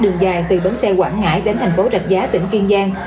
đường dài từ bến xe quảng ngãi đến tp rạch giá tỉnh kiên giang